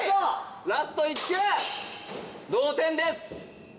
ラスト１球同点です。